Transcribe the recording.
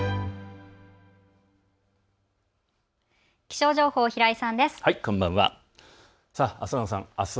気象情報、平井さんです。